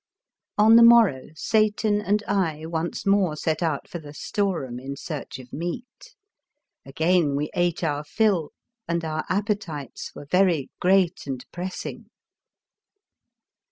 On the morrow Satan and I once more set out for the storeroom in search of meat. Again we ate our fill, and our appetites were very great and pressing.